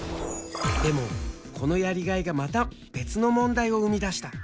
でもこのやりがいがまた別の問題を生み出した。